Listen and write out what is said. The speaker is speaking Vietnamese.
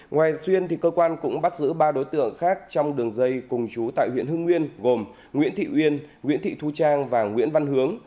ngoài xuyên thì cơ quan cũng bắt giữ ba đối tượng khác trong đường dây cùng chú tại huyện hưng nguyên gồm nguyễn thị uyên nguyễn thị thu trang và nguyễn văn hướng